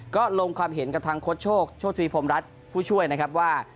ก็ลงความเห็นกับทางโค้ชโชคโชธตรีพรมรัฐผู้ช่วยนะครับว่า